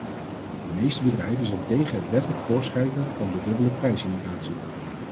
De meeste bedrijven zijn tegen het wettelijk voorschrijven van de dubbele prijsindicatie.